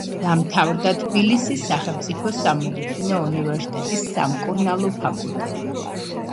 დაამთავრა თბილისის სახელმწიფო სამედიცინო უნივერსიტეტის სამკურნალო ფაკულტეტი.